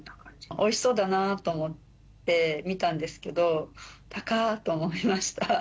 おいしそうだなと思って見たんですけど、高ーっと思いました。